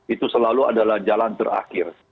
itu selalu adalah jalan terakhir